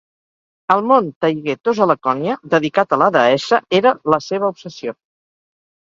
El Mont Taygetos a Laconia, dedicat a la deessa, era la seva obsessió.